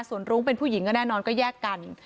ส่วนรุ้งเป็นผู้หญิงก็แน่นอนก็แยกกัน